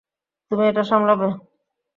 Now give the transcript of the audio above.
তুমি এটা সামলাবে।